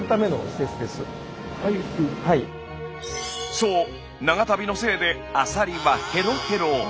そう長旅のせいでアサリはヘロヘロ。